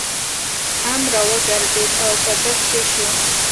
هم را وګرځېد او په ده پسې شو.